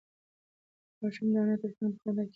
ماشوم د انا تر څنگ په خندا کې کېناست.